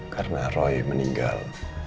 karena roy meninggal